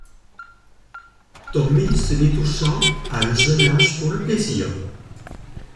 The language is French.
Tommy se met au chant à un jeune âge pour le plaisir.